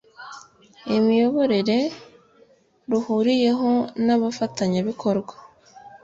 imiyoborere ruhuriyeho n' abafatanyabikorwa